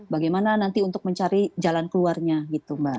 bagaimana nanti untuk mencari jalan keluarnya gitu mbak